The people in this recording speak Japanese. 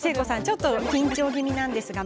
ちょっと緊張気味ですが。